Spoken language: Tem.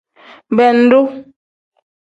Bendu.